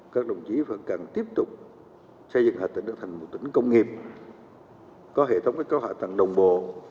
các đồng chí phần càng tiếp tục xây dựng hà tĩnh được thành một tỉnh công nghiệp có hệ thống các câu hỏi tặng đồng bộ